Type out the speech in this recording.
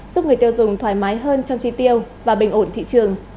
giúp người tiêu dùng thoải mái hơn trong chi tiêu và bình ổn thị trường